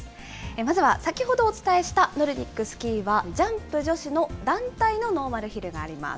まずは先ほどお伝えしたノルディックスキーはジャンプ女子の団体のノーマルヒルがあります。